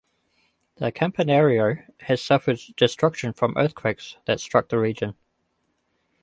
The "Campanario "has suffered destruction from earthquakes that struck the region.